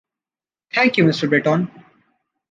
Thank you, Mr. Breton.